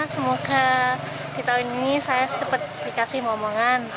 semoga di tahun ini saya cepat dikasih momongan